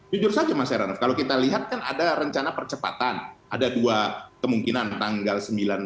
jujur saja mas heranov kalau kita lihat kan ada rencana percepatan ada dua kemungkinan tanggal sembilan